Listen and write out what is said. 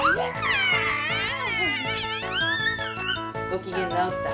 ごきげんなおった？